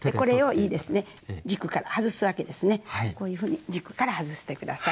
こういうふうに軸から外して下さい。